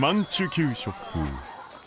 給食。